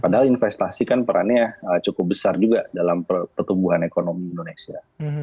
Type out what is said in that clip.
padahal investasi kan perannya cukup besar juga dalam pertumbuhan ekonomi indonesia